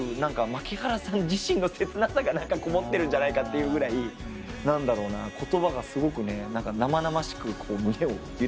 槇原さん自身の切なさがこもってるんじゃないかっていうぐらい言葉がすごく生々しく胸を揺らしてくる感じがあって。